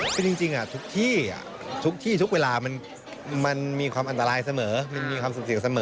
คือจริงทุกที่ทุกเวลามันมีความอันตรายเสมอมีความสุขเสียงเสมอ